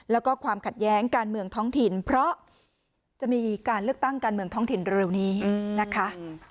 แล้วก็ความขัดแย้งการเมืองท้องถิ่นเพราะจะมีการเลือกตั้งการเมืองท้องถิ่นเร็วนี้นะคะ